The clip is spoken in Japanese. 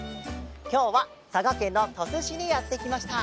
きょうはさがけんのとすしにやってきました。